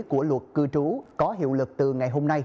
của luật cư trú có hiệu lực từ ngày hôm nay